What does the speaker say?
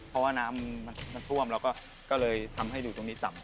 เพราะว่าน้ำมันท่วมเราก็เลยทำให้อยู่ตรงนี้ต่ำ